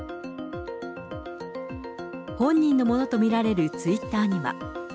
本人のものと見られるツイッターには。